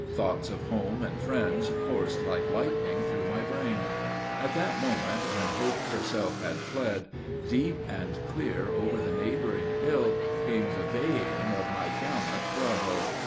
Thoughts of home and friends coursed like lightning through my brain. At that moment, when Hope herself had fled, deep and clear over the neighboring hill, came the baying of my gallant Bravo!